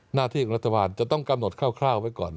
หน้าที่ของรัฐบาลจะต้องกำหนดคร่าวไว้ก่อน